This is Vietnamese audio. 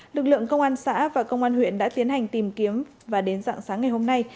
lực lượng công an xã và công an huyện đã tiến hành tìm kiếm và đến dạng sáng ngày hôm nay